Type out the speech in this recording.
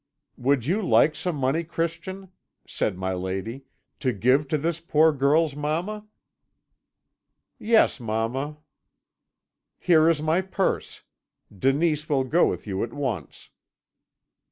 "'Would you like some money, Christian,' said my lady, 'to give to this poor girl's mamma?' "'Yes, mamma.' "Here is my purse. Denise will go with you at once.'